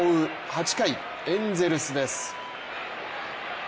８回、エンゼルスです。